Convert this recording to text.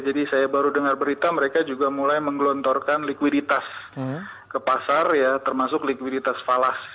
jadi saya baru dengar berita mereka juga mulai menggelontorkan likuiditas ke pasar ya termasuk likuiditas falas